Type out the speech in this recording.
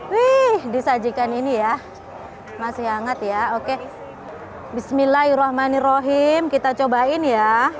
wih disajikan ini ya masih hangat ya oke bismillahirrahmanirrohim kita cobain ya